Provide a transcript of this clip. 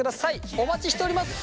お待ちしております。